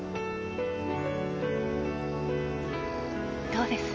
どうです？